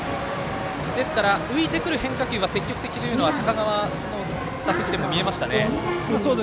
ですから、浮いてくる変化球が積極的というのは高川の打席でも見えましたね。